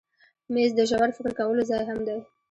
مېز د ژور فکر کولو ځای هم دی.